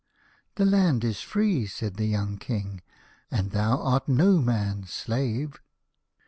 " The land is free," said the young King, " and thou art no man's slave."